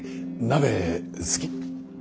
鍋好き？